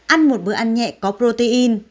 ăn một bữa ăn nhẹ có protein